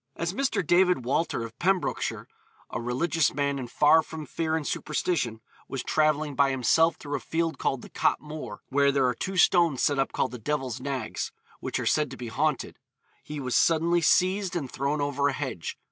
As Mr. David Walter, of Pembrokeshire, 'a religious man, and far from fear and superstition,' was travelling by himself through a field called the Cot Moor, where there are two stones set up called the Devil's Nags, which are said to be haunted, he was suddenly seized and thrown over a hedge.